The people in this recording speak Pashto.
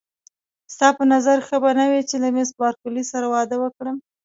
ستا په نظر ښه به نه وي چې له مېس بارکلي سره واده وکړم.